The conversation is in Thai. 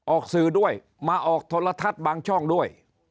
ออกสื่อด้วยมาออกโทรทัศน์บางช่องด้วย